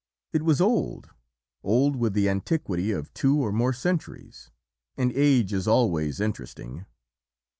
It was old old with the antiquity of two or more centuries and age is always interesting.